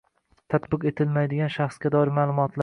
tatbiq etilmaydigan shaxsga doir ma’lumotlar